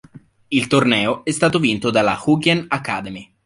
Il torneo è stato vinto dall'Ugyen Academy.